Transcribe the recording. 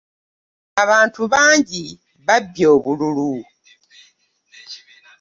Abantu bangi babye obululu.